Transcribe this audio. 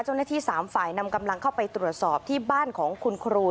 เจ้าหน้าที่๓ฝ่ายนำกำลังเข้าไปตรวจสอบที่บ้านของคุณครู